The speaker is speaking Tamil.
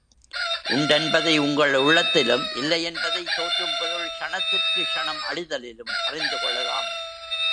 உண்டென்பதை உங்கள் உள்ளத்திலும் இல்லையென்பதைத் தோற்றும் பொருள் க்ஷணத்திற்கு க்ஷணம் அழிதலிலும் அறிந்து கொள்ளலாம்.